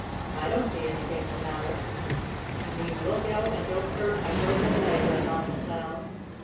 "I don't see anything the matter." "I mean look out and don't hurt my broken leg," went on the Clown.